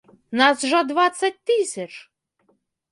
Нас жа дваццаць тысяч!